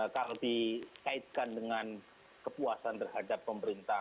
kalau dikaitkan dengan kepuasan terhadap pemerintah